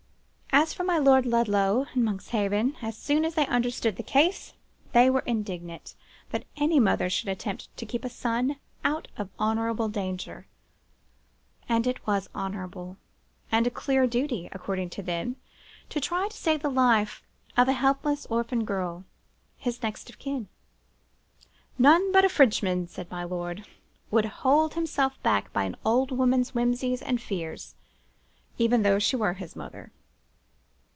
As for my Lord Ludlow and Monkshaven, as soon as they understood the case, they were indignant that any mother should attempt to keep a son out of honourable danger; and it was honourable, and a clear duty (according to them) to try to save the life of a helpless orphan girl, his next of kin. None but a Frenchman, said my lord, would hold himself bound by an old woman's whimsies and fears, even though she were his mother.